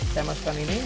saya masukkan ini